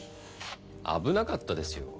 危なかったですよ